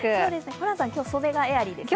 ホランさん、今日、袖がエアリーですね。